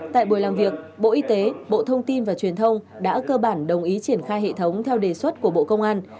tại buổi làm việc bộ y tế bộ thông tin và truyền thông đã cơ bản đồng ý triển khai hệ thống theo đề xuất của bộ công an